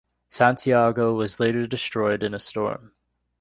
"Santiago" was later destroyed in a storm.